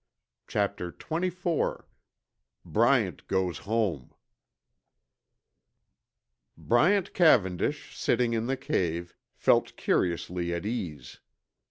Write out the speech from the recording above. Chapter XXIV BRYANT GOES HOME Bryant Cavendish, sitting in the cave, felt curiously at ease.